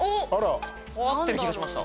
合ってる気がしました。